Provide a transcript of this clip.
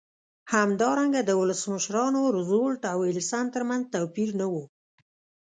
همدارنګه د ولسمشرانو روزولټ او ویلسن ترمنځ توپیر نه و.